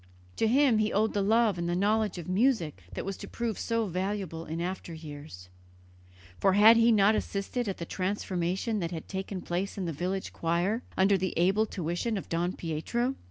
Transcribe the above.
To him he owed the love and the knowledge of music that was to prove so valuable in after years, for had he not assisted at the transformation that had taken place in the village choir under the able tuition of Don Pietro?